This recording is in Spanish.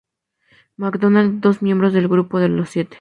MacDonald, dos miembros del "Grupo de los Siete".